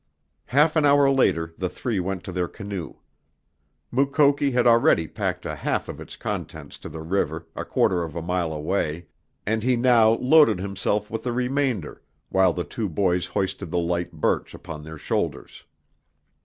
Half an hour later the three went to their canoe. Mukoki had already packed a half of its contents to the river, a quarter of a mile away, and he now loaded himself with the remainder while the two boys hoisted the light birch upon their shoulders.